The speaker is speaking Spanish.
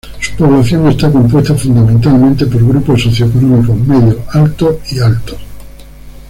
Su población está compuesta fundamentalmente por grupos socioeconómicos medio altos y altos.